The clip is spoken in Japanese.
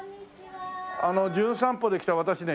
あの『じゅん散歩』で来た私ね